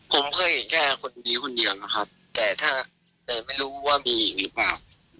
ผมเคยเห็นแค่คนนี้คนเดียวนะครับแต่ถ้าแต่ไม่รู้ว่ามีอีกหรือเปล่า